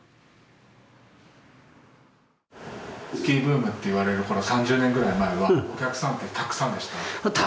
スキーブームといわれる３０年ぐらい前はお客さんってたくさんでした？